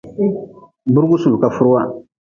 Burgu suli ka furwa.